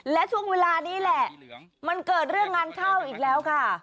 และช่วงเวลานี้แหละมันเกิดเรื่องงานเข้าอีกแล้วค่ะ